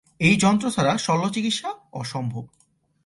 এই যন্ত্র ছাড়া শল্যচিকিৎসা অসম্ভব।